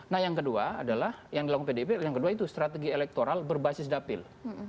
nah yang kedua adalah yang dilakukan pdip yang kedua itu strategi elektoral berbasis dapil